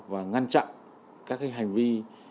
và ngăn chặn các hành vi